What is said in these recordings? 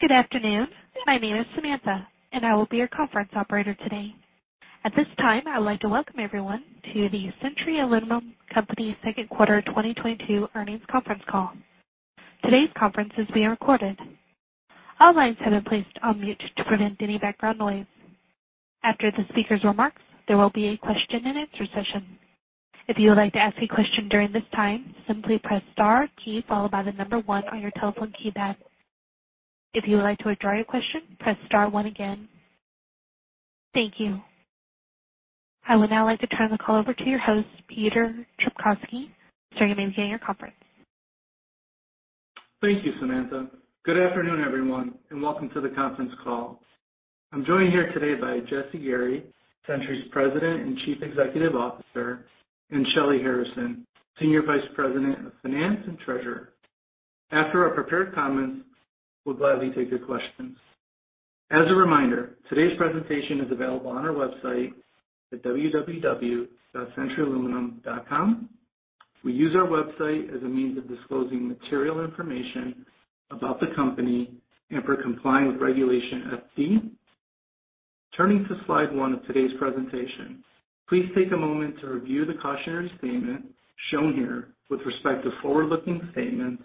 Good afternoon. My name is Samantha, and I will be your conference operator today. At this time, I would like to welcome everyone to the Century Aluminum Company second quarter 2022 earnings conference call. Today's conference is being recorded. All lines have been placed on mute to prevent any background noise. After the speaker's remarks, there will be a question and answer session. If you would like to ask a question during this time, simply press star key followed by the number one on your telephone keypad. If you would like to withdraw your question, press star one again. Thank you. I would now like to turn the call over to your host, Peter Trpkovski. Sir, you may begin your conference. Thank you, Samantha. Good afternoon, everyone, and welcome to the conference call. I'm joined here today by Jesse Gary, Century's President and Chief Executive Officer, and Shelly Harrison, Senior Vice President of Finance and Treasurer. After our prepared comments, we'll gladly take your questions. As a reminder, today's presentation is available on our website at www.centuryaluminum.com. We use our website as a means of disclosing material information about the company and for complying with Regulation FD. Turning to slide one of today's presentation, please take a moment to review the cautionary statement shown here with respect to forward-looking statements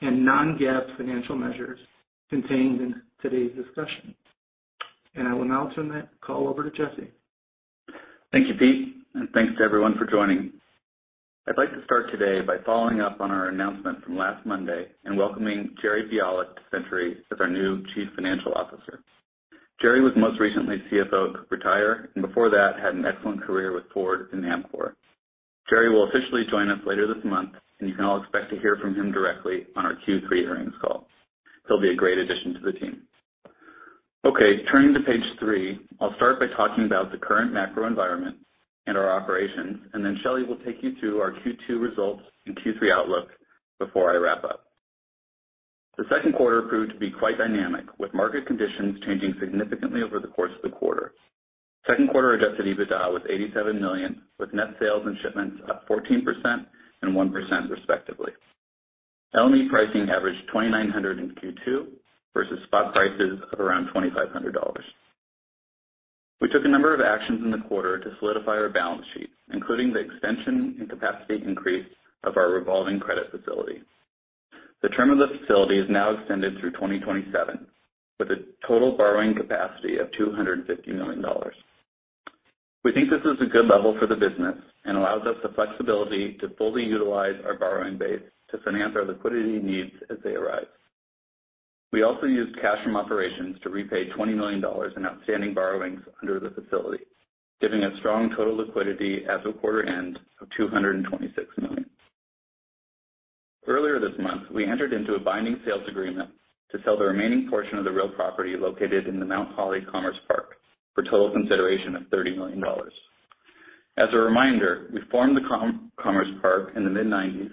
and non-GAAP financial measures contained in today's discussion. I will now turn the call over to Jesse. Thank you, Pete, and thanks to everyone for joining. I'd like to start today by following up on our announcement from last Monday and welcoming Jerry Bialek to Century as our new Chief Financial Officer. Jerry was most recently CFO at Cooper Tire, and before that, had an excellent career with Ford and Amcor. Jerry will officially join us later this month, and you can all expect to hear from him directly on our Q3 earnings call. He'll be a great addition to the team. Okay, turning to page three, I'll start by talking about the current macro environment and our operations, and then Shelly will take you through our Q2 results and Q3 outlook before I wrap up. The second quarter proved to be quite dynamic, with market conditions changing significantly over the course of the quarter. Second quarter adjusted EBITDA was $87 million, with net sales and shipments up 14% and 1%, respectively. LME pricing averaged 2,900 in Q2 versus spot prices of around $2,500. We took a number of actions in the quarter to solidify our balance sheet, including the extension and capacity increase of our revolving credit facility. The term of the facility is now extended through 2027, with a total borrowing capacity of $250 million. We think this is a good level for the business and allows us the flexibility to fully utilize our borrowing base to finance our liquidity needs as they arise. We also used cash from operations to repay $20 million in outstanding borrowings under the facility, giving us strong total liquidity at the quarter end of $226 million. Earlier this month, we entered into a binding sales agreement to sell the remaining portion of the real property located in the Mount Holly Commerce Park for total consideration of $30 million. As a reminder, we formed the commerce park in the mid-nineties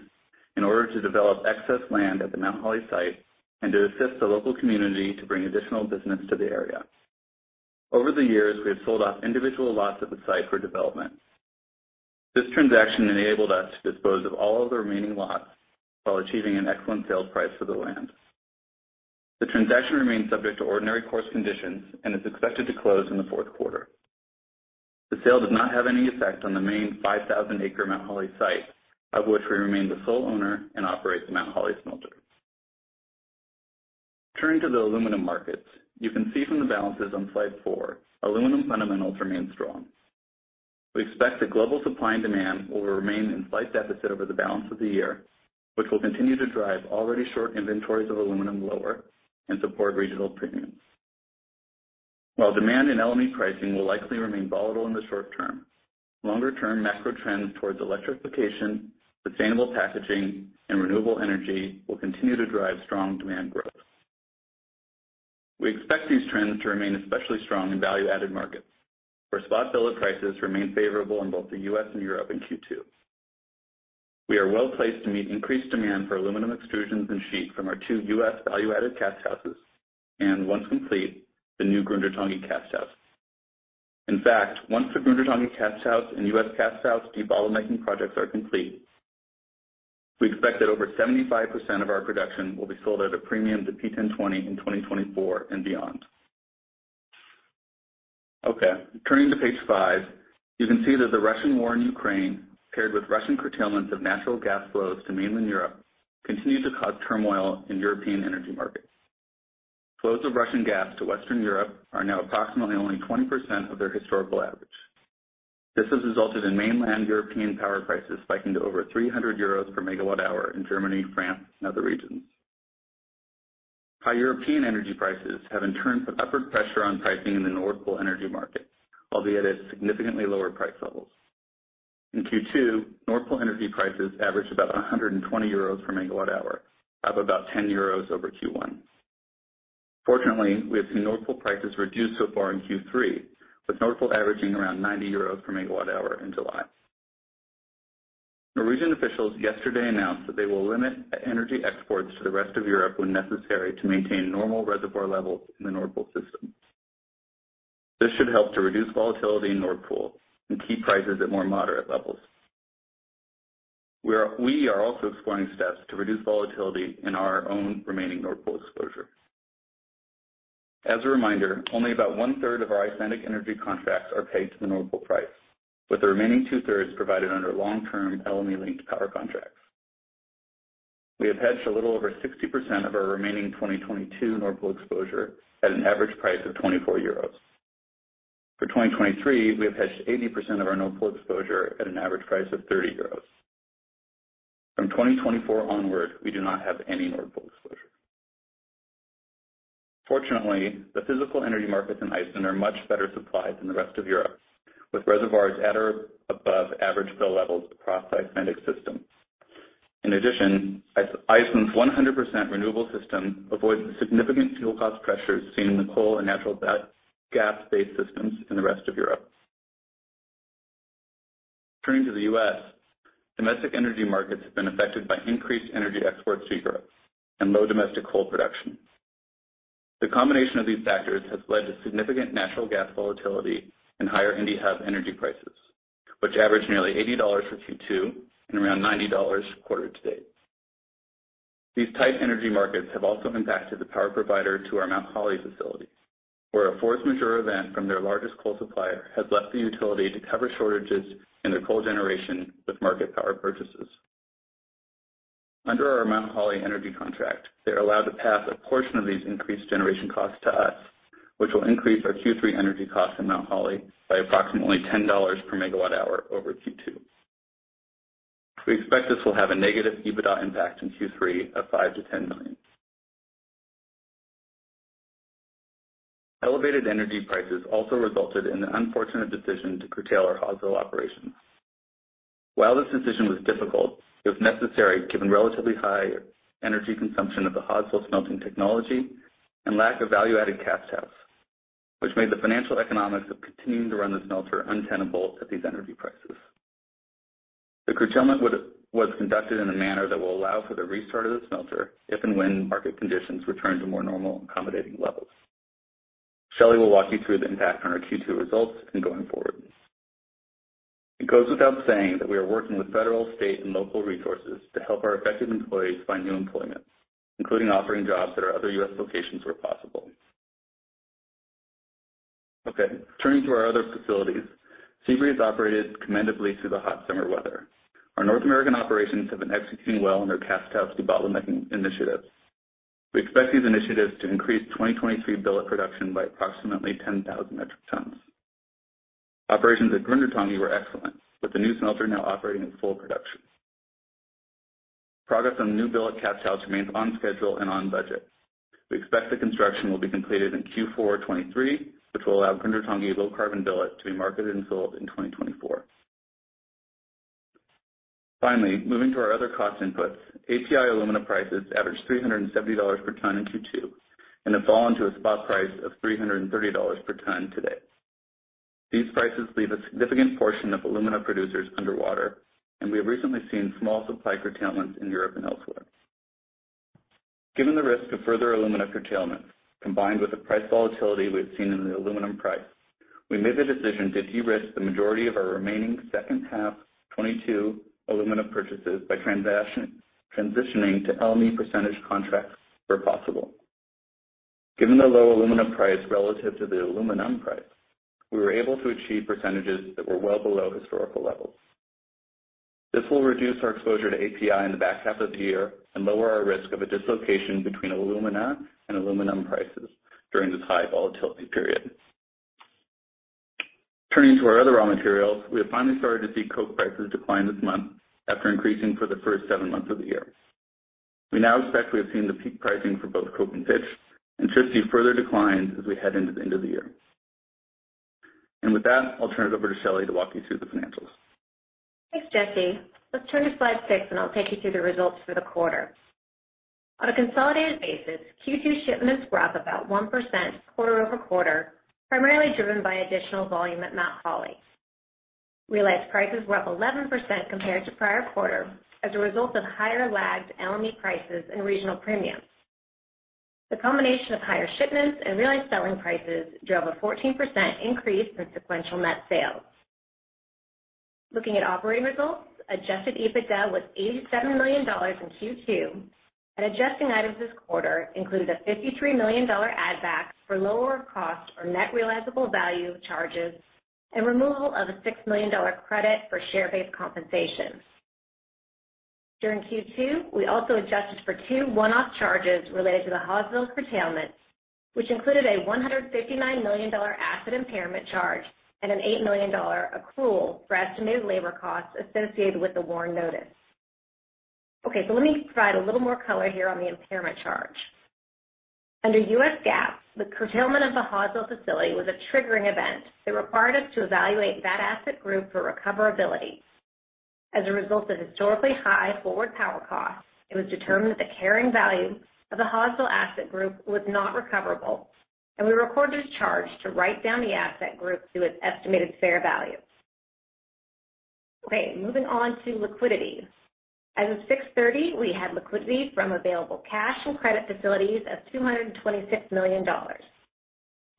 in order to develop excess land at the Mount Holly site and to assist the local community to bring additional business to the area. Over the years, we have sold off individual lots at the site for development. This transaction enabled us to dispose of all of the remaining lots while achieving an excellent sales price for the land. The transaction remains subject to ordinary course conditions and is expected to close in the fourth quarter. The sale does not have any effect on the main 5,000-acre Mount Holly site, of which we remain the sole owner and operates Mount Holly Smelter. Turning to the aluminum markets. You can see from the balances on slide four, aluminum fundamentals remain strong. We expect that global supply and demand will remain in slight deficit over the balance of the year, which will continue to drive already short inventories of aluminum lower and support regional premiums. While demand in LME pricing will likely remain volatile in the short term, longer term macro trends towards electrification, sustainable packaging, and renewable energy will continue to drive strong demand growth. We expect these trends to remain especially strong in value-added markets, where spot billet prices remain favorable in both the U.S. and Europe in Q2. We are well-placed to meet increased demand for aluminum extrusions and sheet from our two U.S. value-added cast houses, and once complete, the new Grundartangi cast house. In fact, once the Grundartangi cast house and U.S. cast house debottlenecking projects are complete, we expect that over 75% of our production will be sold at a premium to P1020 in 2024 and beyond. Okay, turning to page five. You can see that the Russian war in Ukraine, paired with Russian curtailments of natural gas flows to mainland Europe, continue to cause turmoil in European energy markets. Flows of Russian gas to Western Europe are now approximately only 20% of their historical average. This has resulted in mainland European power prices spiking to over 300 euros per megawatt hour in Germany, France, and other regions. High European energy prices have in turn put upward pressure on pricing in the Nord Pool energy market, albeit at significantly lower price levels. In Q2, Nord Pool energy prices averaged about 120 euros per megawatt hour, up about 10 euros over Q1. Fortunately, we have seen Nord Pool prices reduced so far in Q3, with Nord Pool averaging around 90 euros per megawatt hour in July. Norwegian officials yesterday announced that they will limit energy exports to the rest of Europe when necessary to maintain normal reservoir levels in the Nord Pool system. This should help to reduce volatility in Nord Pool and keep prices at more moderate levels. We are also exploring steps to reduce volatility in our own remaining Nord Pool exposure. As a reminder, only about one-third of our Icelandic energy contracts are paid to the Nord Pool price, with the remaining two-thirds provided under long-term LME-linked power contracts. We have hedged a little over 60% of our remaining 2022 Nord Pool exposure at an average price of 24 euros. For 2023, we have hedged 80% of our Nord Pool exposure at an average price of 30 euros. From 2024 onwards, we do not have any. Fortunately, the physical energy markets in Iceland are much better supplied than the rest of Europe, with reservoirs at or above average fill levels across the Icelandic system. In addition, Iceland's 100% renewable system avoids the significant fuel cost pressures seen in the coal and natural gas-based systems in the rest of Europe. Turning to the U.S., domestic energy markets have been affected by increased energy exports to Europe and low domestic coal production. The combination of these factors has led to significant natural gas volatility and higher Indiana Hub energy prices, which average nearly $80 for Q2 and around $90 quarter-to-date. These tight energy markets have also impacted the power provider to our Mount Holly facility, where a force majeure event from their largest coal supplier has left the utility to cover shortages in their coal generation with market power purchases. Under our Mount Holly energy contract, they're allowed to pass a portion of these increased generation costs to us, which will increase our Q3 energy costs in Mount Holly by approximately $10 per megawatt hour over Q2. We expect this will have a negative EBITDA impact in Q3 of $5-$10 million. Elevated energy prices also resulted in the unfortunate decision to curtail our Hawesville operations. While this decision was difficult, it was necessary given relatively high energy consumption of the Hawesville smelting technology and lack of value-added cast house, which made the financial economics of continuing to run the smelter untenable at these energy prices. The curtailment was conducted in a manner that will allow for the restart of the smelter if and when market conditions return to more normal accommodating levels. Shelly will walk you through the impact on our Q2 results and going forward. It goes without saying that we are working with federal, state, and local resources to help our affected employees find new employment, including offering jobs at our other U.S. locations where possible. Okay, turning to our other facilities. Sebree has operated commendably through the hot summer weather. Our North American operations have been executing well on their cast house debottlenecking initiatives. We expect these initiatives to increase 2023 billet production by approximately 10,000 metric tons. Operations at Grundartangi were excellent, with the new smelter now operating at full production. Progress on new billet cast house remains on schedule and on budget. We expect the construction will be completed in Q4 2023, which will allow Grundartangi low-carbon billet to be marketed and sold in 2024. Finally, moving to our other cost inputs. API alumina prices averaged $370 per ton in Q2, and have fallen to a spot price of $330 per ton today. These prices leave a significant portion of alumina producers underwater, and we have recently seen small supply curtailments in Europe and elsewhere. Given the risk of further alumina curtailment, combined with the price volatility we have seen in the aluminum price, we made the decision to de-risk the majority of our remaining second half 2022 alumina purchases by transaction, transitioning to LME percentage contracts where possible. Given the low alumina price relative to the aluminum price, we were able to achieve percentages that were well below historical levels. This will reduce our exposure to API in the back half of the year and lower our risk of a dislocation between alumina and aluminum prices during this high volatility period. Turning to our other raw materials, we have finally started to see coke prices decline this month after increasing for the first seven months of the year. We now expect we have seen the peak pricing for both coke and pitch, and should see further declines as we head into the end of the year. With that, I'll turn it over to Shelly to walk you through the financials. Thanks, Jesse. Let's turn to slide six, and I'll take you through the results for the quarter. On a consolidated basis, Q2 shipments were up about 1% quarter-over-quarter, primarily driven by additional volume at Mount Holly. Realized prices were up 11% compared to prior quarter as a result of higher lagged LME prices and regional premiums. The combination of higher shipments and realized selling prices drove a 14% increase in sequential net sales. Looking at operating results, adjusted EBITDA was $87 million in Q2, and adjusting items this quarter included a $53 million add back for lower cost or net realizable value charges and removal of a $6 million credit for share-based compensation. During Q2, we also adjusted for two one-off charges related to the Hawesville curtailment, which included a $159 million asset impairment charge and an $8 million accrual for estimated labor costs associated with the WARN notice. Okay, so let me provide a little more color here on the impairment charge. Under U.S. GAAP, the curtailment of the Hawesville facility was a triggering event that required us to evaluate that asset group for recoverability. As a result of historically high forward power costs, it was determined that the carrying value of the Hawesville asset group was not recoverable, and we recorded a charge to write down the asset group to its estimated fair value. Great. Moving on to liquidity. As of 06/30, we had liquidity from available cash and credit facilities of $226 million.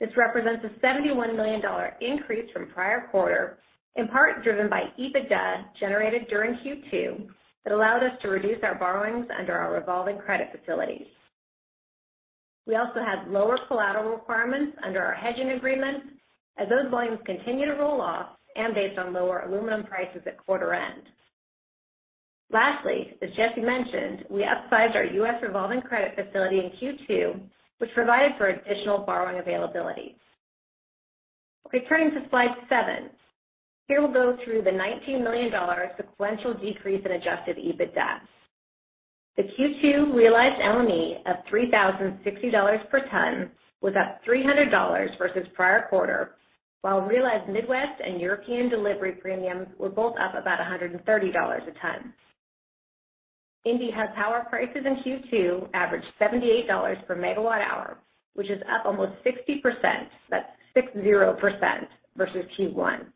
This represents a $71 million increase from prior quarter, in part driven by EBITDA generated during Q2 that allowed us to reduce our borrowings under our revolving credit facilities. We also had lower collateral requirements under our hedging agreements as those volumes continue to roll off and based on lower aluminum prices at quarter end. Lastly, as Jesse mentioned, we upsized our U.S. revolving credit facility in Q2, which provided for additional borrowing availability. Returning to slide seven. Here we'll go through the $19 million sequential decrease in adjusted EBITDA. The Q2 realized LME of $3,060 per ton was up $300 versus prior quarter, while realized Midwest and European delivery premiums were both up about $130 a ton. Indiana Hub power prices in Q2 averaged $78 per megawatt-hour, which is up almost 60%. That's 60% versus Q1.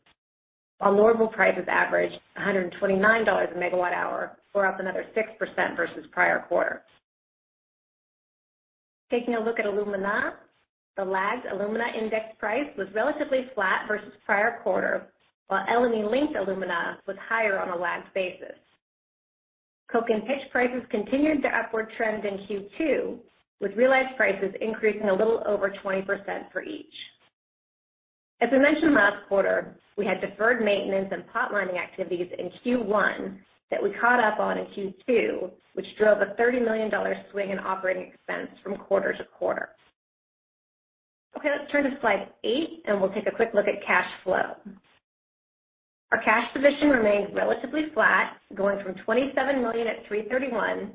While Nord Pool prices averaged EUR 129 per megawatt-hour. We're up another 6% versus prior quarter. Taking a look at alumina. The lagged alumina index price was relatively flat versus prior quarter, while LME-linked alumina was higher on a lagged basis. Coke and pitch prices continued their upward trends in Q2, with realized prices increasing a little over 20% for each. As I mentioned last quarter, we had deferred maintenance and pot lining activities in Q1 that we caught up on in Q2, which drove a $30 million swing in operating expense from quarter to quarter. Okay, let's turn to slide eight, and we'll take a quick look at cash flow. Our cash position remains relatively flat, going from $27 million at 3/31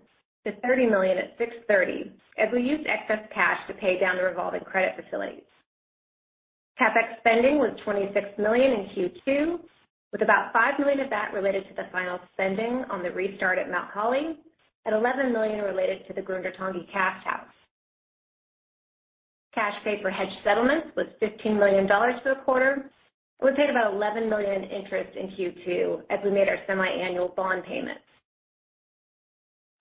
to $30 million at 6/30, as we used excess cash to pay down the revolving credit facility. CapEx spending was $26 million in Q2, with about $5 million of that related to the final spending on the restart at Mount Holly and $11 million related to the Grundartangi cast house. Cash paid for hedge settlements was $15 million for the quarter. We paid about $11 million in interest in Q2 as we made our semi-annual bond payments.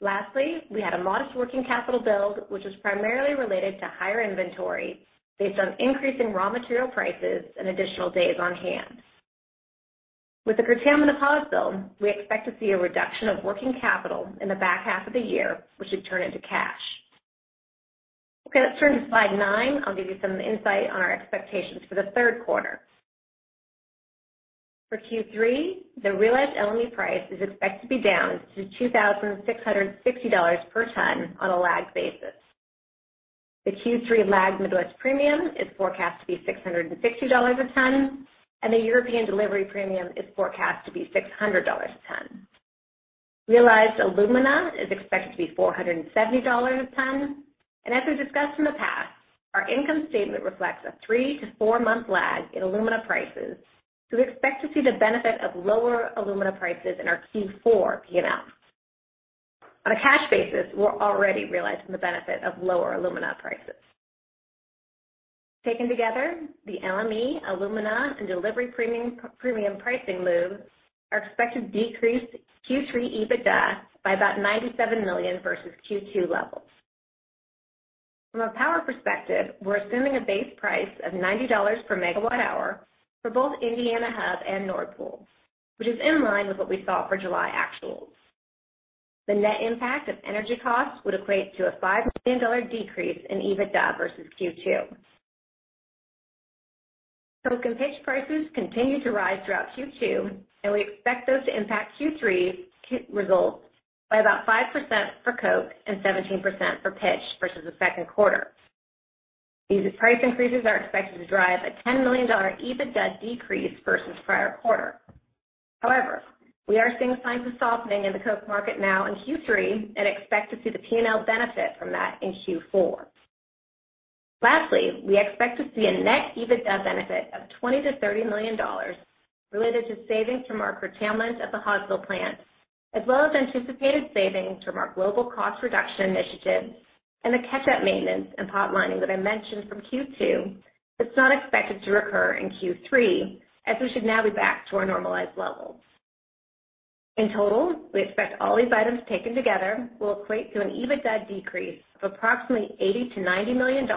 Lastly, we had a modest working capital build, which was primarily related to higher inventory based on increasing raw material prices and additional days on hand. With the curtailment of Hawesville, we expect to see a reduction of working capital in the back half of the year, which should turn into cash. Okay, let's turn to slide nine. I'll give you some insight on our expectations for the third quarter. For Q3, the realized LME price is expected to be down to $2,660 per ton on a lagged basis. The Q3 lagged Midwest premium is forecast to be $660 a ton, and the European delivery premium is forecast to be $600 a ton. Realized alumina is expected to be $470 a ton. As we've discussed in the past, our income statement reflects a three-to-four-month lag in alumina prices, so we expect to see the benefit of lower alumina prices in our Q4 P&L. On a cash basis, we're already realizing the benefit of lower alumina prices. Taken together, the LME, alumina, and delivery premium pricing moves are expected to decrease Q3 EBITDA by about $97 million versus Q2 levels. From a power perspective, we're assuming a base price of $90 per megawatt-hour for both Indiana Hub and Nord Pool, which is in line with what we saw for July actuals. The net impact of energy costs would equate to a $5 million decrease in EBITDA versus Q2. Coke and pitch prices continued to rise throughout Q2, and we expect those to impact Q3 results by about 5% for coke and 17% for pitch versus the second quarter. These price increases are expected to drive a $10 million EBITDA decrease versus prior quarter. However, we are seeing signs of softening in the coke market now in Q3 and expect to see the P&L benefit from that in Q4. Lastly, we expect to see a net EBITDA benefit of $20-$30 million related to savings from our curtailment at the Hawesville plant, as well as anticipated savings from our global cost reduction initiatives and the catch-up maintenance and pot lining that I mentioned from Q2 that's not expected to recur in Q3, as we should now be back to our normalized levels. In total, we expect all these items taken together will equate to an EBITDA decrease of approximately $80-$90 million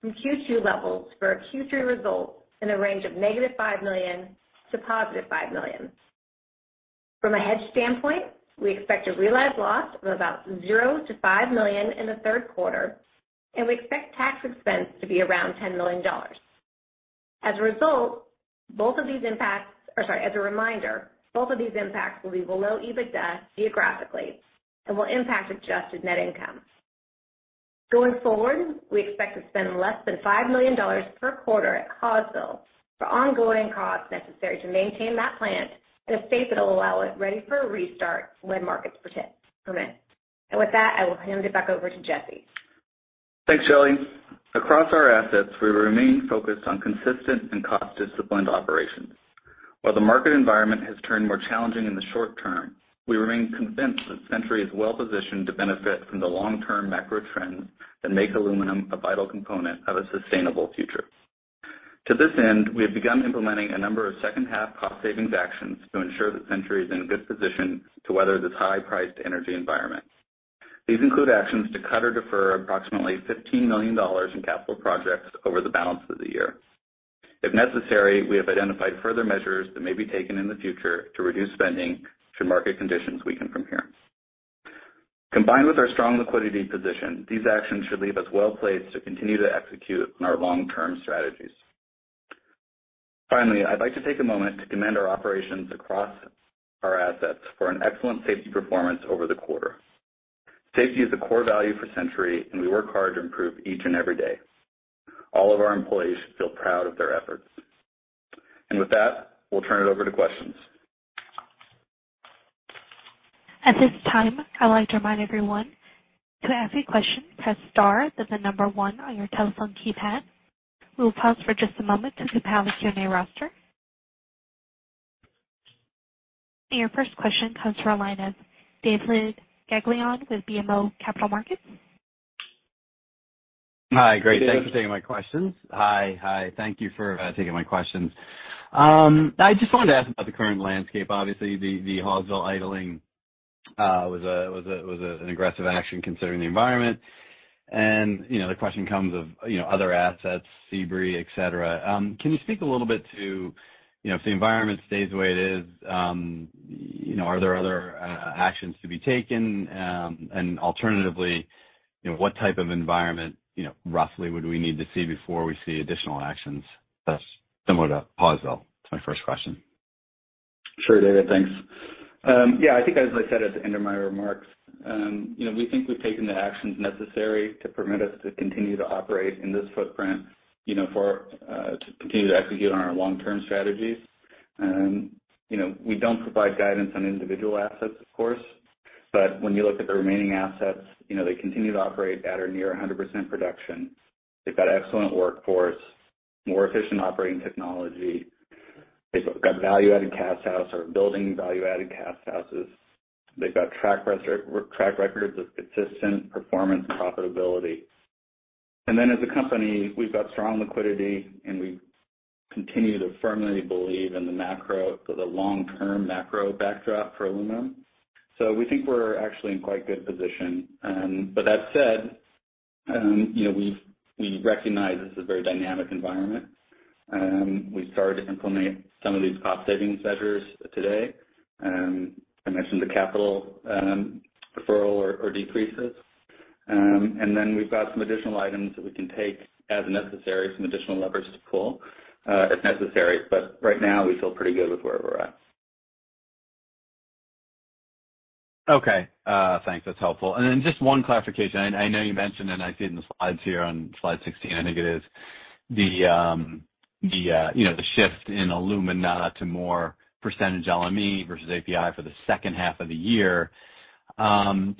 from Q2 levels for our Q3 results in a range of -$5 million to +$5 million. From a hedge standpoint, we expect a realized loss of about $0-$5 million in the third quarter, and we expect tax expense to be around $10 million. As a reminder, both of these impacts will be below EBITDA geographically and will impact adjusted net income. Going forward, we expect to spend less than $5 million per quarter at Hawesville for ongoing costs necessary to maintain that plant in a state that'll allow it ready for a restart when markets permit. With that, I will hand it back over to Jesse. Thanks, Shelly. Across our asets, we remain focused on consistent and cost-disciplined operations. While the market environment has turned more challenging in the short term, we remain convinced that Century is well-positioned to benefit from the long-term macro trends that make aluminum a vital component of a sustainable future. To this end, we have begun implementing a number of second half cost savings actions to ensure that Century is in a good position to weather this high-priced energy environment. These include actions to cut or defer approximately $15 million in capital projects over the balance of the year. If necessary, we have identified further measures that may be taken in the future to reduce spending should market conditions weaken from here. Combined with our strong liquidity position, these actions should leave us well-placed to continue to execute on our long-term strategies. Finally, I'd like to take a moment to commend our operations across our assets for an excellent safety performance over the quarter. Safety is a core value for Century, and we work hard to improve each and every day. All of our employees should feel proud of their efforts. With that, we'll turn it over to questions. At this time, I'd like to remind everyone to ask a question, press star, then the number one on your telephone keypad. We will pause for just a moment as we poll the Q&A roster. Your first question comes from a line of David Gagliano with BMO Capital Markets. Hi. Great. Thanks for taking my questions. I just wanted to ask about the current landscape. Obviously, the Hawesville idling was an aggressive action considering the environment. You know, the question comes up of other assets, Sebree, et cetera. Can you speak a little bit to, you know, if the environment stays the way it is, you know, are there other actions to be taken? Alternatively, you know, what type of environment, you know, roughly would we need to see before we see additional actions that's similar to Hawesville? That's my first question. Sure, David. Thanks. Yeah, I think as I said at the end of my remarks, you know, we think we've taken the actions necessary to permit us to continue to operate in this footprint, you know, to continue to execute on our long-term strategies. You know, we don't provide guidance on individual assets, of course, but when you look at the remaining assets, you know, they continue to operate at or near 100% production. They've got excellent workforce, more efficient operating technology. They've got value-added cast house or building value-added cast houses. They've got track records of consistent performance and profitability. Then as a company, we've got strong liquidity, and we continue to firmly believe in the macro, the long-term macro backdrop for aluminum. We think we're actually in quite good position. That said, we recognize this is a very dynamic environment. We started to implement some of these cost savings measures today, to mention the capital deferral or decreases. We've got some additional items that we can take as necessary, some additional levers to pull, if necessary. Right now, we feel pretty good with where we're at. Okay. Thanks. That's helpful. Just one clarification. I know you mentioned, and I see it in the slides here on slide 16, I think it is, you know, the shift in alumina to more percentage LME versus API for the second half of the year.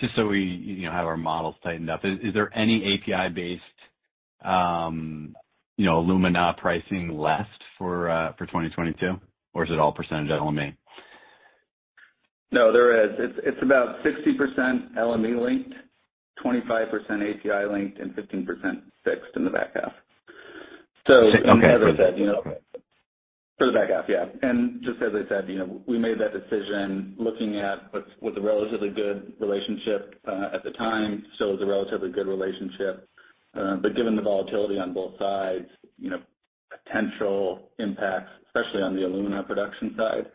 Just so we, you know, have our models tightened up, is there any API-based, you know, alumina pricing left for 2022? Or is it all percentage LME? No, there is. It's about 60% LME-linked, 25% API-linked, and 15% fixed in the back half. Okay. For the back half, yeah. Just as I said, you know, we made that decision looking at what's a relatively good relationship, at the time, still is a relatively good relationship. Given the volatility on both sides, you know, potential impacts, especially on the alumina production side,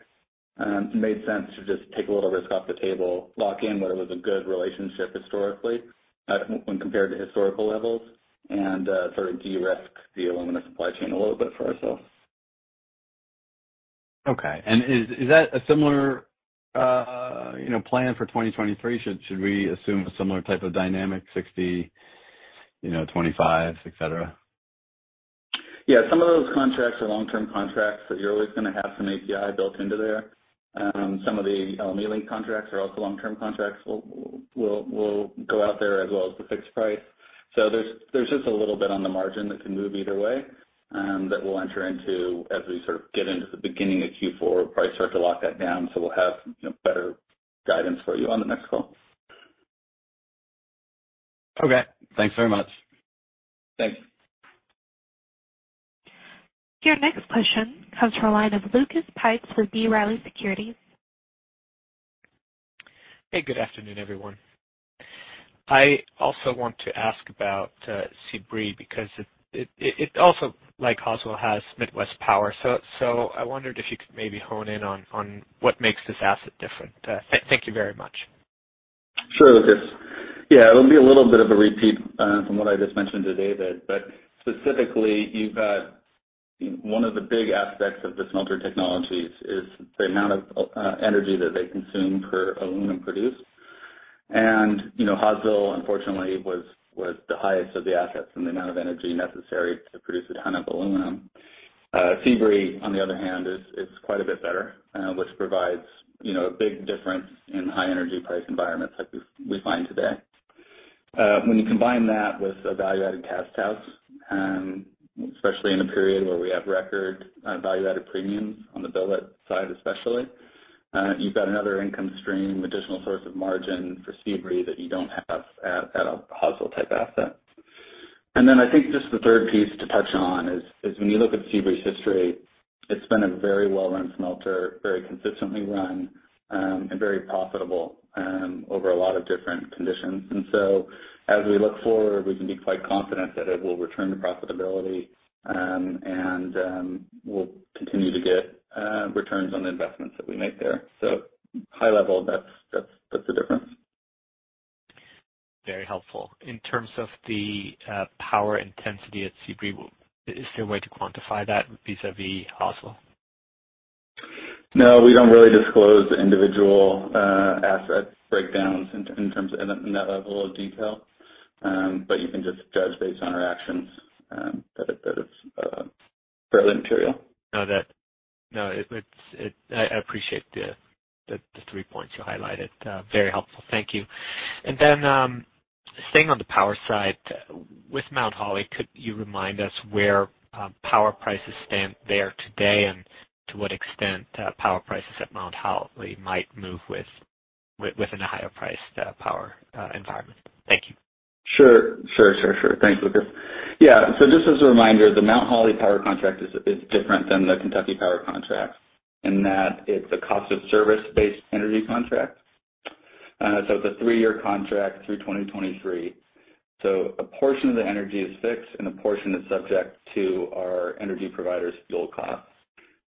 it made sense to just take a little risk off the table, lock in what it was a good relationship historically, when compared to historical levels, and, sort of de-risk the alumina supply chain a little bit for ourselves. Okay. Is that a similar, you know, plan for 2023? Should we assume a similar type of dynamic, 60, you know, 2025, et cetera? Yeah. Some of those contracts are long-term contracts, so you're always gonna have some API built into there. Some of the LME-linked contracts are also long-term contracts. We'll go out there as well as the fixed price. There's just a little bit on the margin that can move either way, that we'll enter into as we sort of get into the beginning of Q4, probably start to lock that down, so we'll have, you know, better guidance for you on the next call. Okay. Thanks very much. Thanks. Your next question comes from a line of Lucas Pipes with B. Riley Securities. Hey, good afternoon, everyone. I also want to ask about Sebree because it also, like Hawesville, has Midwest power. I wondered if you could maybe hone in on what makes this asset different. Thank you very much. Sure, Lucas. Yeah, it'll be a little bit of a repeat from what I just mentioned to David, but specifically, you've got one of the big aspects of the smelter technologies is the amount of energy that they consume per aluminum produced. You know, Hawesville unfortunately was the highest of the assets in the amount of energy necessary to produce a ton of aluminum. Sebree, on the other hand, is quite a bit better, which provides you know a big difference in high energy price environments like we find today. When you combine that with a value-added cast house, especially in a period where we have record value-added premiums on the billet side especially, you've got another income stream, additional source of margin for Sebree that you don't have at a Hawesville-type asset. I think just the third piece to touch on is when you look at Sebree's history, it's been a very well-run smelter, very consistently run, and very profitable over a lot of different conditions. As we look forward, we can be quite confident that it will return to profitability, and we'll continue to get returns on the investments that we make there. High level, that's the difference. Very helpful. In terms of the power intensity at Sebree, is there a way to quantify that vis-à-vis Hawesville? No, we don't really disclose individual asset breakdowns in terms of that level of detail. You can just judge based on our actions that it's fairly material. I appreciate the three points you highlighted. Very helpful. Thank you. Staying on the power side, with Mount Holly, could you remind us where power prices stand there today and to what extent power prices at Mount Holly might move within a higher-priced power environment? Thank you. Sure. Thanks, Lucas. Yeah. Just as a reminder, the Mount Holly power contract is different than the Kentucky Power contract in that it's a cost of service-based energy contract. It's a three-year contract through 2023. A portion of the energy is fixed, and a portion is subject to our energy provider's fuel costs.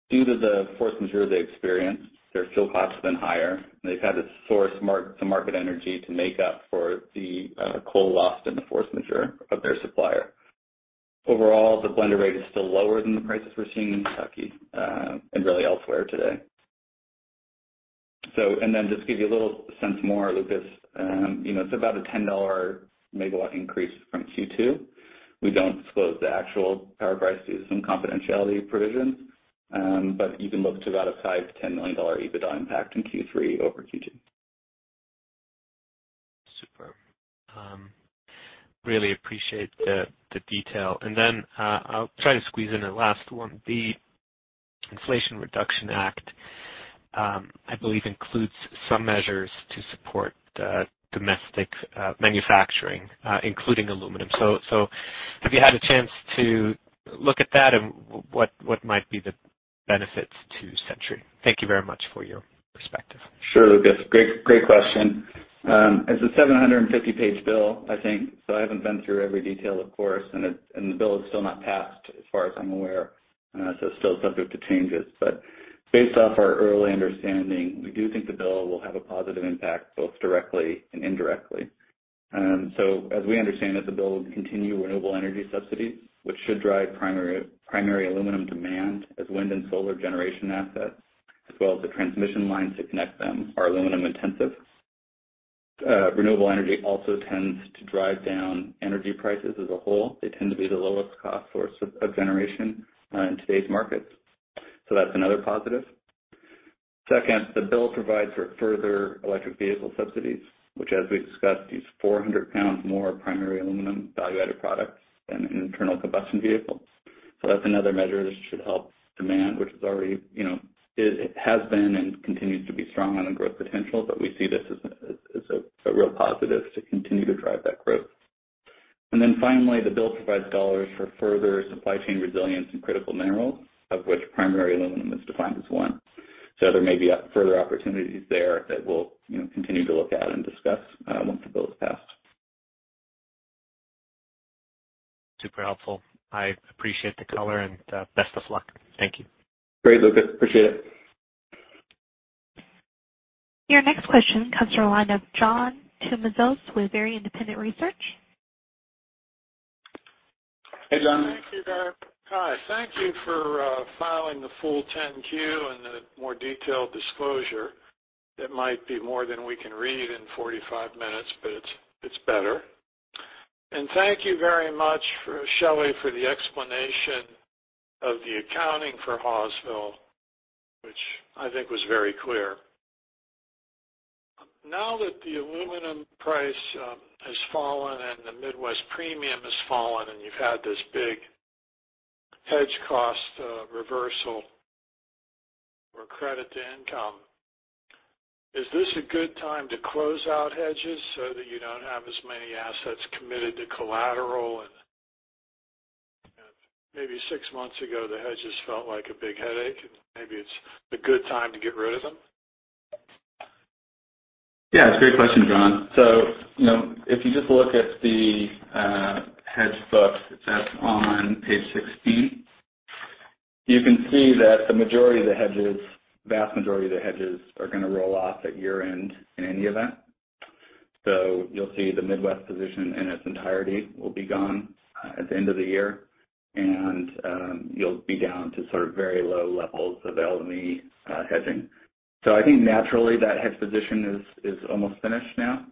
Due to the force majeure they experienced, their fuel costs have been higher, and they've had to source some market energy to make up for the coal lost in the force majeure of their supplier. Overall, the blender rate is still lower than the prices we're seeing in Kentucky and really elsewhere today. Just to give you a little more sense, Lucas, you know, it's about a $10 MW increase from Q2. We don't disclose the actual power price due to some confidentiality provisions. You can look to about a $5-$10 million EBITDA impact in Q3 over Q2. Superb. Really appreciate the detail. I'll try to squeeze in a last one. The Inflation Reduction Act, I believe includes some measures to support domestic manufacturing, including aluminum. Have you had a chance to look at that and what might be the benefits to Century? Thank you very much for your perspective. Sure, Lucas. Great question. It's a 750-page bill, I think, so I haven't been through every detail, of course, and the bill is still not passed as far as I'm aware, so still subject to changes. Based off our early understanding, we do think the bill will have a positive impact, both directly and indirectly. As we understand it, the bill will continue renewable energy subsidies, which should drive primary aluminum demand as wind and solar generation assets, as well as the transmission lines to connect them, are aluminum intensive. Renewable energy also tends to drive down energy prices as a whole. They tend to be the lowest cost source of generation in today's markets. That's another positive. Second, the bill provides for further electric vehicle subsidies, which, as we discussed, use 400 pounds more primary aluminum value-added products than an internal combustion vehicle. That's another measure that should help demand, which is already, you know, it has been and continues to be strong on the growth potential, but we see this as a real positive to continue to drive that growth. Finally, the bill provides dollars for further supply chain resilience in critical minerals, of which primary aluminum is defined as one. There may be further opportunities there that we'll, you know, continue to look at and discuss once the bill is passed. Super helpful. I appreciate the color and best of luck. Thank you. Great, Lucas. Appreciate it. Your next question comes from the line of John Tumazos with Very Independent Research. Hey, John. Thank you there. Hi. Thank you for filing the full 10-Q and the more detailed disclosure. It might be more than we can read in 45 minutes, but it's better. Thank you very much for Shelly for the explanation of the accounting for Hawesville, which I think was very clear. Now that the aluminum price has fallen and the Midwest premium has fallen and you've had this big hedge cost reversal or credit to income, is this a good time to close out hedges so that you don't have as many assets committed to collateral? Maybe six months ago, the hedges felt like a big headache, and maybe it's a good time to get rid of them. Yeah, it's a great question, John. You know, if you just look at the hedge books that's on page 16, you can see that the majority of the hedges, vast majority of the hedges are gonna roll off at year-end in any event. You'll see the Midwest position in its entirety will be gone at the end of the year. You'll be down to sort of very low levels of LME hedging. I think naturally that hedge position is almost finished now.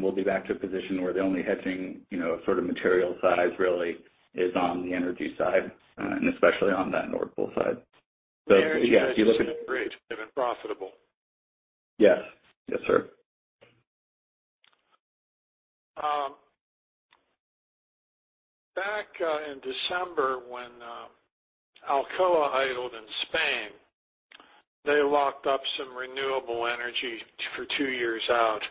We'll be back to a position where the only hedging, you know, sort of material size really is on the energy side, and especially on that Nord Pool side. Yeah, if you look at- The energy side has been great. They've been profitable. Yes. Yes, sir. When Alcoa idled in Spain, they locked up some renewable energy for two years out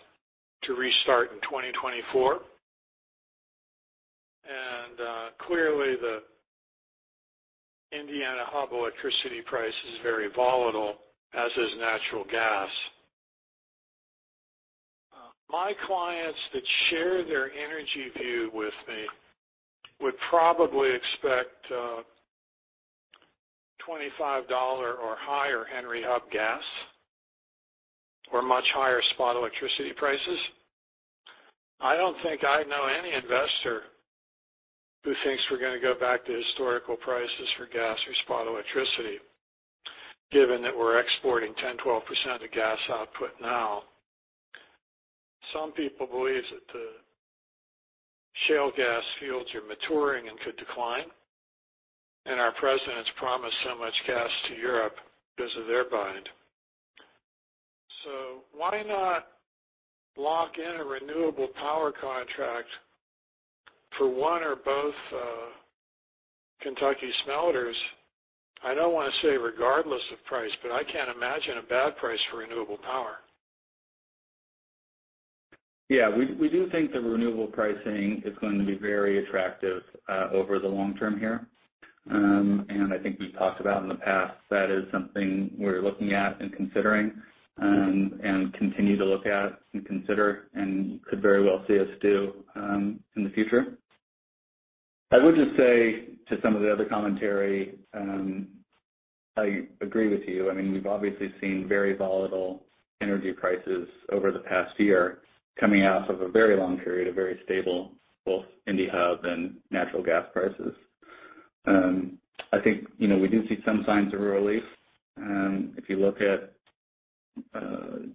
to restart in 2024. Clearly, the Indiana Hub electricity price is very volatile, as is natural gas. My clients that share their energy view with me would probably expect $25 or higher Henry Hub gas or much higher spot electricity prices. I don't think I know any investor who thinks we're gonna go back to historical prices for gas or spot electricity, given that we're exporting 10%-12% of gas output now. Some people believe that the shale gas fields are maturing and could decline, and our president's promised so much gas to Europe because of their bind. Why not lock in a renewable power contract for one or both Kentucky smelters? I don't wanna say regardless of price, but I can't imagine a bad price for renewable power. Yeah, we do think the renewable pricing is going to be very attractive over the long term here. I think we've talked about in the past that is something we're looking at and considering and continue to look at and consider and could very well see us do in the future. I would just say to some of the other commentary, I agree with you. I mean, we've obviously seen very volatile energy prices over the past year coming out of a very long period of very stable, both Indiana Hub and natural gas prices. I think, you know, we do see some signs of relief. If you look at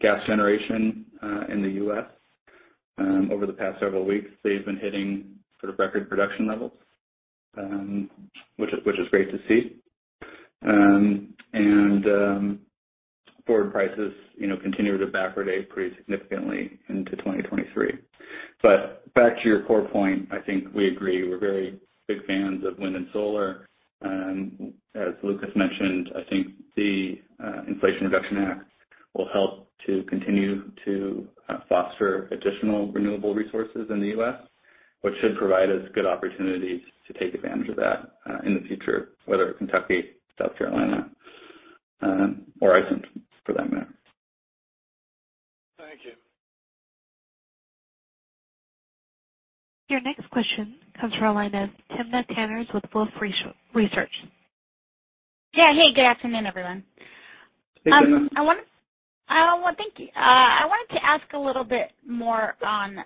gas generation in the U.S. over the past several weeks, they've been hitting sort of record production levels, which is great to see. Forward prices, you know, continue to backwardate increase significantly into 2023. Back to your core point, I think we agree. We're very big fans of wind and solar. As Lucas mentioned, I think the Inflation Reduction Act will help to continue to foster additional renewable resources in the U.S., which should provide us good opportunities to take advantage of that in the future, whether Kentucky, South Carolina, or Iceland for that matter. Thank you. Your next question comes from the line of Timna Tanners with Wolfe Research. Yeah. Hey, good afternoon, everyone. Hey, Timna. Thank you. I wanted to ask a little bit more on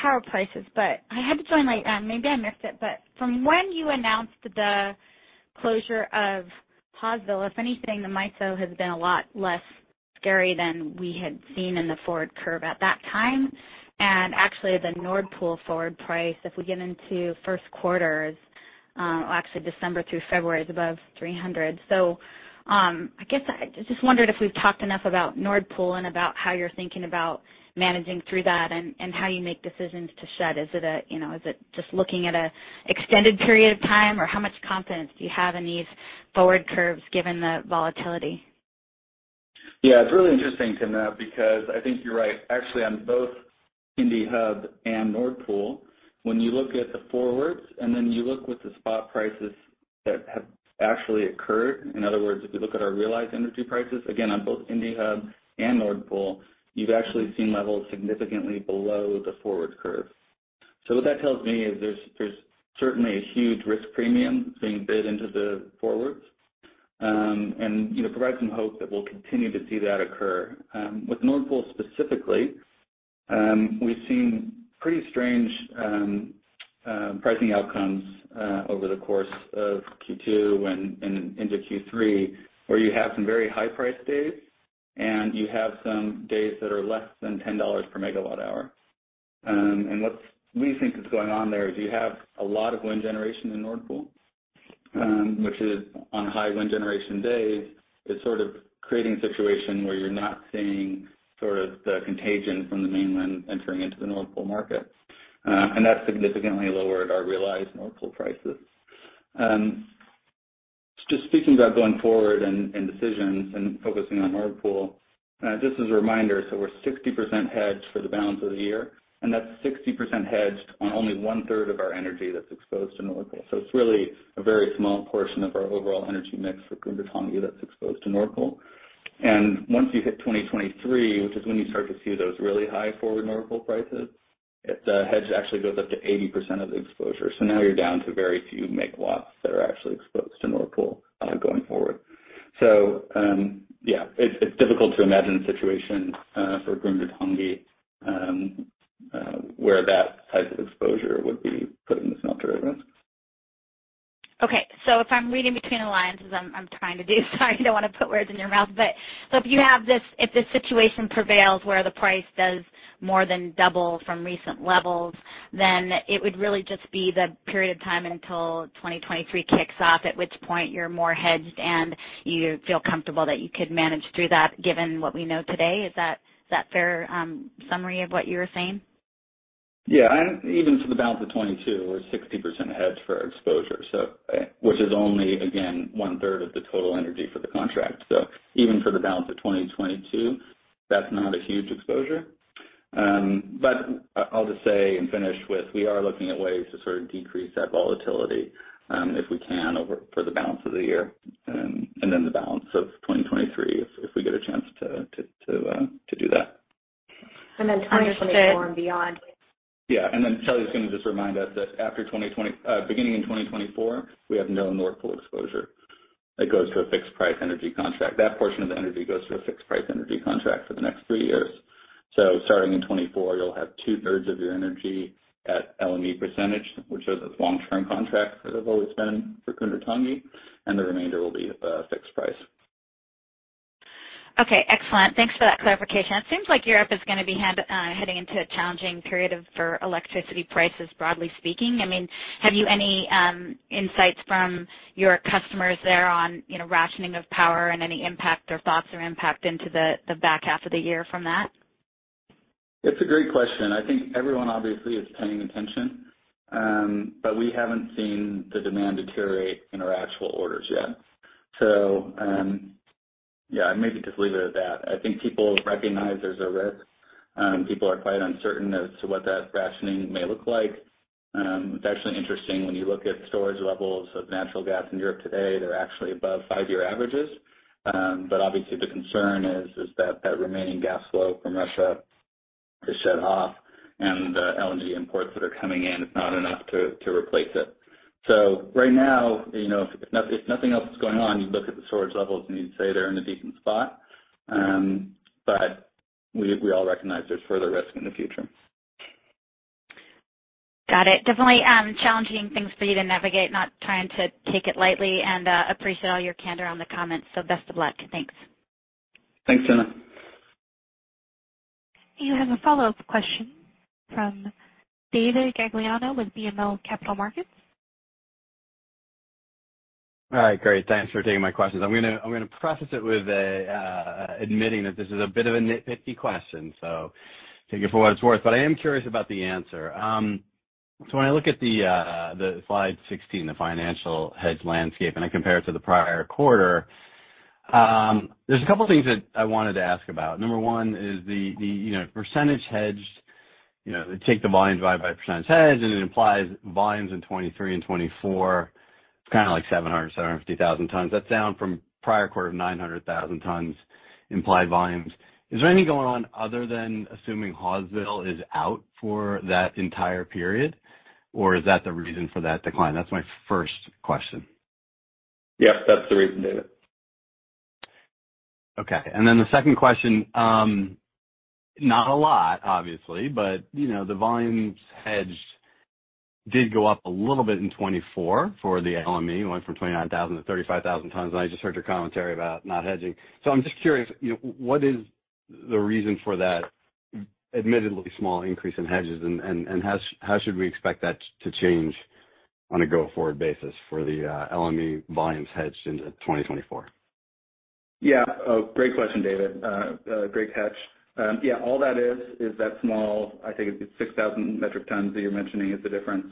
power prices, but I had to join late. Maybe I missed it. From when you announced the closure of Hawesville, if anything, the MISO has been a lot less scary than we had seen in the forward curve at that time. Actually, the Nord Pool forward price, if we get into first quarter, or actually December through February, is above 300. I guess I just wondered if we've talked enough about Nord Pool and about how you're thinking about managing through that and how you make decisions to shed. You know, is it just looking at an extended period of time, or how much confidence do you have in these forward curves given the volatility? Yeah, it's really interesting, Timna, because I think you're right. Actually, on both Indiana Hub and Nord Pool, when you look at the forwards and then you look what the spot prices that have actually occurred, in other words, if you look at our realized energy prices, again, on both Indi Hub and Nord Pool, you've actually seen levels significantly below the forward curve. What that tells me is there's certainly a huge risk premium being bid into the forwards, and you know, provide some hope that we'll continue to see that occur. With Nord Pool specifically, we've seen pretty strange pricing outcomes over the course of Q2 and into Q3, where you have some very high price days and you have some days that are less than $10 per MWh. We think is going on there is you have a lot of wind generation in Nord Pool, which is on high wind generation days, it's sort of creating a situation where you're not seeing sort of the contagion from the mainland entering into the Nord Pool market. That's significantly lowered our realized Nord Pool prices. Just speaking about going forward and decisions and focusing on Nord Pool, just as a reminder, we're 60% hedged for the balance of the year, and that's 60% hedged on only one-third of our energy that's exposed to Nord Pool. It's really a very small portion of our overall energy mix at Grundartangi that's exposed to Nord Pool. Once you hit 2023, which is when you start to see those really high forward Nord Pool prices, the hedge actually goes up to 80% of the exposure. Now you're down to very few megawatt that are actually exposed to Nord Pool going forward. It's difficult to imagine a situation for Grundartangi where that type of exposure would be put in the smelter at risk. Okay. If I'm reading between the lines as I'm trying to do, sorry, I don't wanna put words in your mouth, but if this situation prevails where the price does more than double from recent levels, then it would really just be the period of time until 2023 kicks off, at which point you're more hedged and you feel comfortable that you could manage through that given what we know today. Is that fair summary of what you were saying? Even for the balance of 2022, we're 60% hedged for our exposure. Which is only again, one-third of the total energy for the contract. Even for the balance of 2022, that's not a huge exposure. I'll just say and finish with, we are looking at ways to sort of decrease that volatility, if we can over for the balance of the year, and then the balance of 2023 if we get a chance to do that. 2024 and beyond. Shelly is gonna just remind us that beginning in 2024, we have no Nord Pool exposure. It goes to a fixed price energy contract. That portion of the energy goes to a fixed price energy contract for the next three years. Starting in 2024, you'll have two-thirds of your energy at LME percentage, which is a long-term contract, as it's always been for Grundartangi, and the remainder will be fixed price. Okay, excellent. Thanks for that clarification. It seems like Europe is gonna be heading into a challenging period for electricity prices, broadly speaking. I mean, have you any insights from your customers there on, you know, rationing of power and any impact or thoughts or impact into the back half of the year from that? It's a great question. I think everyone obviously is paying attention, but we haven't seen the demand deteriorate in our actual orders yet. Yeah, maybe just leave it at that. I think people recognize there's a risk. People are quite uncertain as to what that rationing may look like. It's actually interesting when you look at storage levels of natural gas in Europe today. They're actually above five-year averages. Obviously the concern is that remaining gas flow from Russia is shut off and the LNG imports that are coming in is not enough to replace it. Right now, you know, if nothing else is going on, you look at the storage levels and you'd say they're in a decent spot. We all recognize there's further risk in the future. Got it. Definitely challenging things for you to navigate, not trying to take it lightly and appreciate all your candor on the comments. Best of luck. Thanks. Thanks, Timna Tanners. You have a follow-up question from David Gagliano with BMO Capital Markets. All right, great. Thanks for taking my questions. I'm gonna preface it with admitting that this is a bit of a nitpicky question, so take it for what it's worth. I am curious about the answer. When I look at the slide 16, the financial hedge landscape, and I compare it to the prior quarter, there's a couple of things that I wanted to ask about. Number one is the you know, percentage hedged, you know, take the volumes divided by percentage hedged, and it implies volumes in 2023 and 2024. It's kinda like 750,000 tons. That's down from prior quarter of 900,000 tons implied volumes. Is there any going on other than assuming Hawesville is out for that entire period, or is that the reason for that decline? That's my first question. Yes, that's the reason, David. Okay. The second question, not a lot, obviously, but you know, the volumes hedged did go up a little bit in 2024 for the LME. It went from 29,000-35,000 tons. I just heard your commentary about not hedging. I'm just curious, you know, what is the reason for that admittedly small increase in hedges, and how should we expect that to change on a go-forward basis for the LME volumes hedged into 2024? Yeah. Great question, David. Great catch. Yeah, all that is that small, I think it's 6,000 metric tons that you're mentioning is the difference.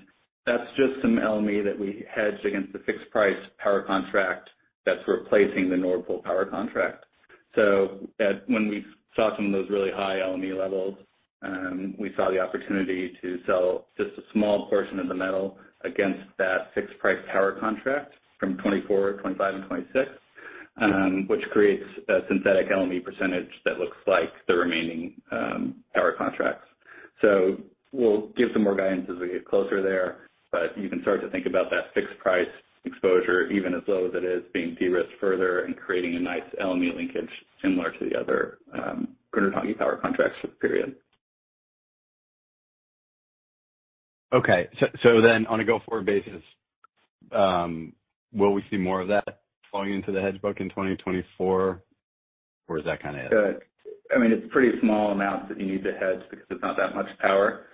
That's just some LME that we hedged against the fixed price power contract that's replacing the Nord Pool power contract. When we saw some of those really high LME levels, we saw the opportunity to sell just a small portion of the metal against that fixed price power contract from 2024, 2025 and 2026, which creates a synthetic LME percentage that looks like the remaining power contracts. We'll give some more guidance as we get closer there, but you can start to think about that fixed price exposure, even as low as it is being de-risked further and creating a nice LME linkage similar to the other Grundartangi power contracts for the period. Okay. On a go-forward basis, will we see more of that flowing into the hedge book in 2024? Or is that kinda it? I mean, it's pretty small amounts that you need to hedge because it's not that much power.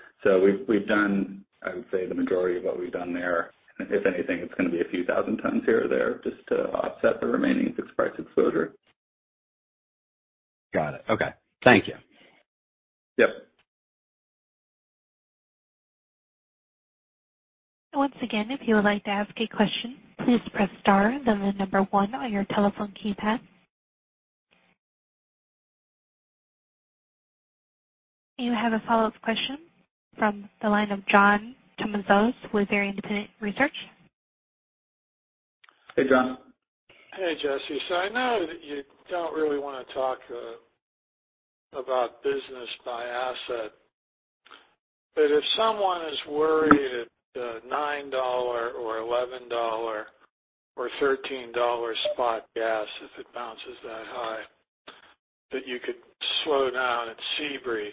We've done, I would say, the majority of what we've done there. If anything, it's gonna be a few thousand tons here or there just to offset the remaining fixed price exposure. Got it. Okay. Thank you. Yep. Once again, if you would like to ask a question, please press star, then the number one on your telephone keypad. You have a follow-up question from the line of John Tumazos with Very Independent Research. Hey, John. Hey, Jesse. I know that you don't really wanna talk about business by asset, but if someone is worried that $9 or $11 or $13 spot gas, if it bounces that high, that you could slow down at Sebree,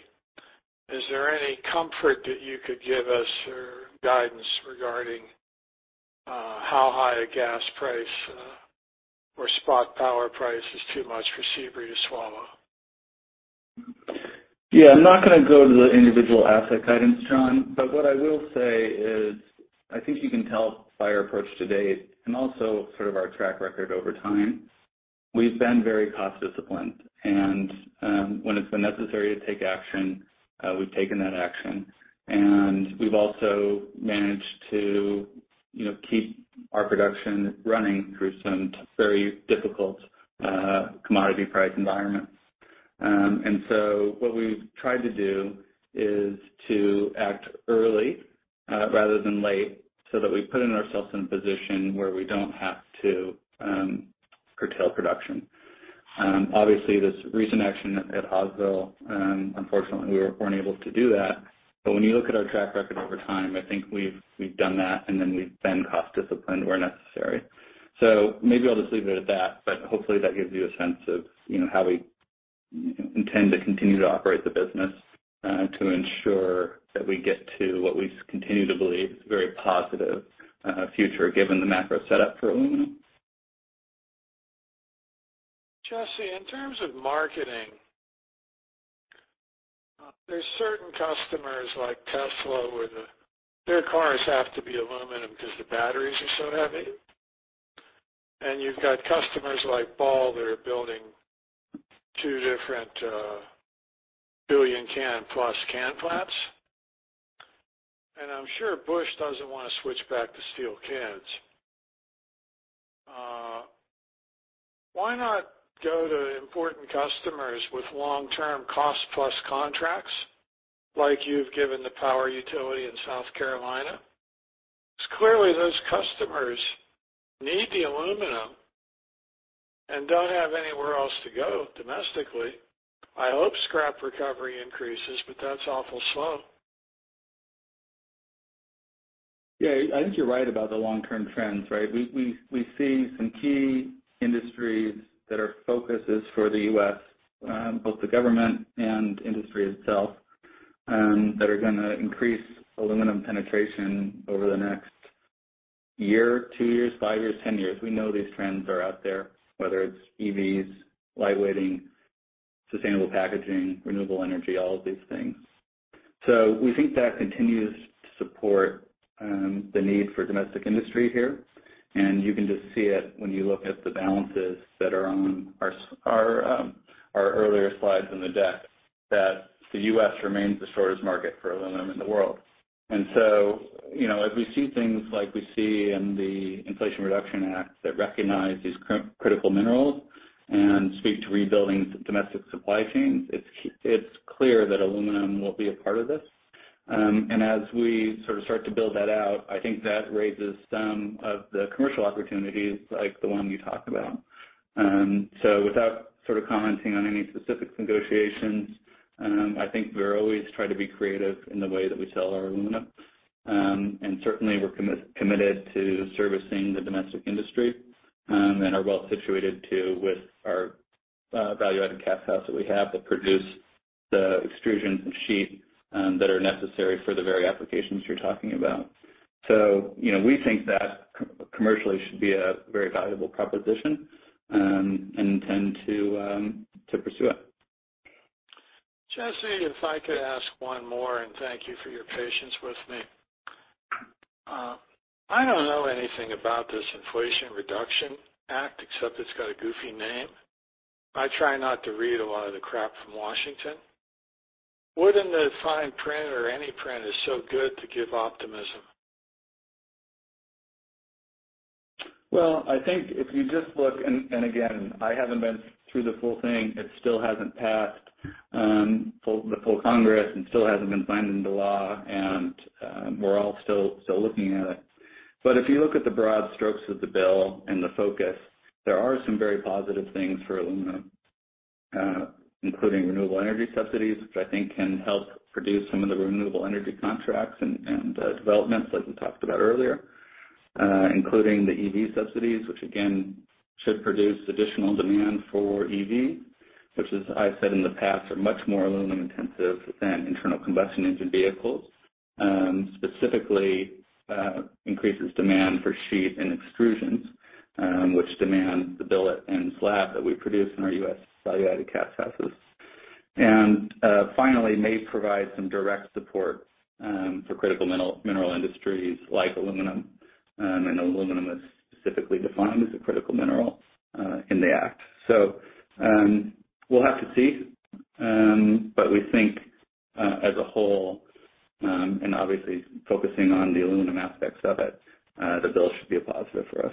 is there any comfort that you could give us or guidance regarding how high a gas price or spot power price is too much for Sebree to swallow? Yeah, I'm not gonna go to the individual asset guidance, John, but what I will say is I think you can tell by our approach to date and also sort of our track record over time. We've been very cost disciplined, and when it's been necessary to take action, we've taken that action. We've also managed to, you know, keep our production running through some very difficult commodity price environments. What we've tried to do is to act early rather than late, so that we've put ourselves in a position where we don't have to curtail production. Obviously, this recent action at Hawesville, unfortunately we weren't able to do that. When you look at our track record over time, I think we've done that, and then we've been cost disciplined where necessary. Maybe I'll just leave it at that, but hopefully that gives you a sense of, you know, how we intend to continue to operate the business, to ensure that we get to what we continue to believe is a very positive, future given the macro setup for aluminum. Jesse, in terms of marketing, there's certain customers like Tesla where the cars have to be aluminum because the batteries are so heavy. You've got customers like Ball that are building two different billion can plus can plants. I'm sure Anheuser-Busch doesn't want to switch back to steel cans. Why not go to important customers with long-term cost plus contracts like you've given the power utility in South Carolina? Because clearly those customers need the aluminum and don't have anywhere else to go domestically. I hope scrap recovery increases, but that's awful slow. Yeah. I think you're right about the long-term trends, right? We see some key industries that our focus is for the U.S., both the government and industry itself, that are gonna increase aluminum penetration over the next year, two years, five years, 10 years. We know these trends are out there, whether it's EVs, light weighting, sustainable packaging, renewable energy, all of these things. We think that continues to support the need for domestic industry here. You can just see it when you look at the balances that are on our earlier slides in the deck, that the U.S. remains the shortest market for aluminum in the world. If we see things like we see in the Inflation Reduction Act that recognize these critical minerals and speak to rebuilding domestic supply chains, it's clear that aluminum will be a part of this. As we sort of start to build that out, I think that raises some of the commercial opportunities like the one you talked about. Without sort of commenting on any specific negotiations, I think we always try to be creative in the way that we sell our aluminum. Certainly we're committed to servicing the domestic industry and are well situated to with our value-added cast house that we have that produce the extrusions and sheet that are necessary for the very applications you're talking about. You know, we think that commercially should be a very valuable proposition, and intend to pursue it. Jesse, if I could ask one more, and thank you for your patience with me. I don't know anything about this Inflation Reduction Act, except it's got a goofy name. I try not to read a lot of the crap from Washington. Wouldn't the fine print or any print be so good to give optimism? Well, I think if you just look, again, I haven't been through the full thing. It still hasn't passed the full Congress and still hasn't been signed into law. We're all still looking at it. If you look at the broad strokes of the bill and the focus, there are some very positive things for aluminum, including renewable energy subsidies, which I think can help produce some of the renewable energy contracts and developments like we talked about earlier, including the EV subsidies, which again should produce additional demand for EV, which, as I said in the past, are much more aluminum-intensive than internal combustion engine vehicles. Specifically, increases demand for sheet and extrusions, which demand the billet and slab that we produce in our U.S. value-added cast houses. Finally, it may provide some direct support for critical mineral industries like aluminum. Aluminum is specifically defined as a critical mineral in the Act. We'll have to see. But we think, as a whole, and obviously focusing on the aluminum aspects of it, the bill should be a positive for us.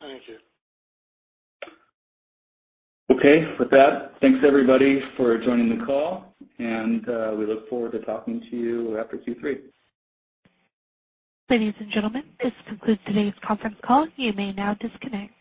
Thank you. Okay. With that, thanks everybody for joining the call, and we look forward to talking to you after Q3. Ladies and gentlemen, this concludes today's conference call. You may now disconnect.